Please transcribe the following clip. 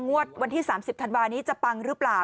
วันที่๓๐ธันวานี้จะปังหรือเปล่า